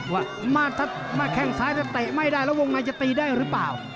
ว่ามาแข้งซ้ายถ้าเตะไม่ได้แล้ววงในจะตีได้หรือเปล่า